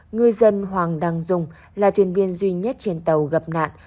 ngư dân hoàng đăng dung là thuyền viên duy nhất trên tàu gặp nạn